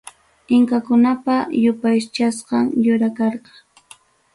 Inkakunapa yupaychasqam yura karqa.